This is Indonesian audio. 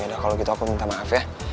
yaudah kalau gitu aku minta maaf ya